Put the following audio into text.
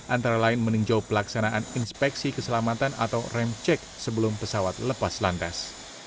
antara lain meninjau pelaksanaan inspeksi keselamatan atau rem cek sebelum pesawat lepas landas